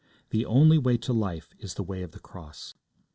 The only way to life is the way of the cross.